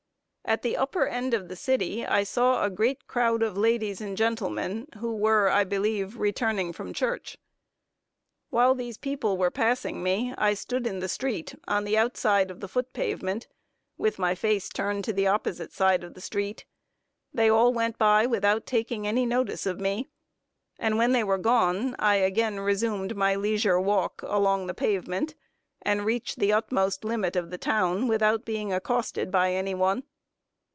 At the upper end of the city I saw a great crowd of ladies and gentlemen, who were, I believe, returning from church. Whilst these people were passing me, I stood in the street, on the outside of the foot pavement, with my face turned to the opposite side of the street. They all went by without taking any notice of me; and when they were gone, I again resumed my leisure walk along the pavement, and reached the utmost limit of the town without being accosted by any one.